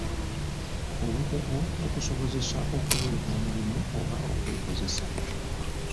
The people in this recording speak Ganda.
Obukugu bukusobozesa okuweebwa omulimu oba okwekozesa.